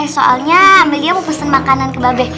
soalnya amelia aku pesen makanan ke babe